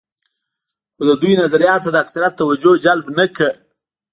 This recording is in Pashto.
خو د دوی نظریاتو د اکثریت توجه جلب نه کړه.